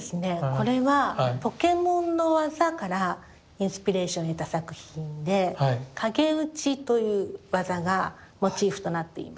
これはポケモンの技からインスピレーションを得た作品で「かげうち」という技がモチーフとなっています。